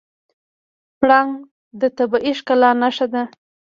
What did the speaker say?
پړانګ د طبیعي ښکلا نښه ده.